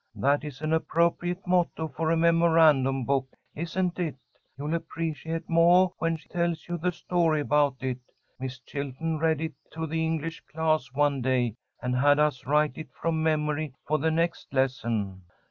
That is an appropriate motto for a memorandum book, isn't it? You'll appreciate it moah when she tells you the story about it. Miss Chilton read it to the English class one day, and had us write it from memory for the next lesson."